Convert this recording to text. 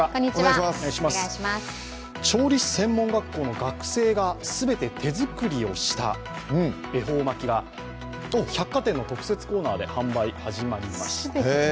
調理師専門学校の学生が全て手作りをした恵方巻きが百貨店の特設コーナーで販売が始まりました。